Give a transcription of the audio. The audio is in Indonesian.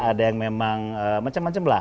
ada yang memang macam macam lah